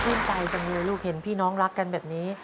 ใจจังเลยลูกเห็นพี่น้องรักกันแบบนี้